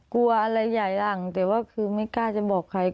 กลัวอะไรใหญ่หลังแต่ว่าคือไม่กล้าจะบอกใคร